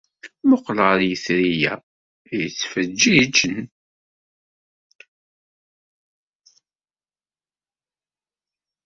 Mmuqqel ɣer yitri-a yettfeǧǧiǧen.